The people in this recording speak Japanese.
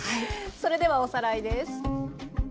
それではおさらいです。